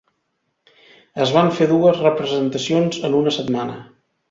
Es van fer dues representacions en una setmana.